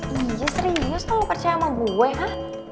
iya serius kamu percaya sama gue ah